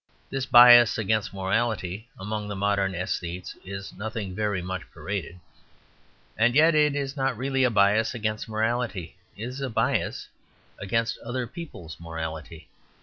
This bias against morality among the modern aesthetes is nothing very much paraded. And yet it is not really a bias against morality; it is a bias against other people's morality.